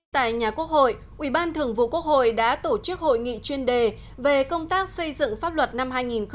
tại nhà quốc hội ủy ban thường vụ quốc hội đã tổ chức hội nghị chuyên đề về công tác xây dựng pháp luật năm hai nghìn một mươi chín